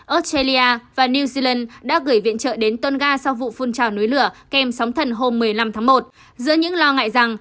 australia và new zealand đã gửi viện trợ đến tonga sau vụ phun trào núi lửa kèm sóng thần hôm một mươi năm tháng một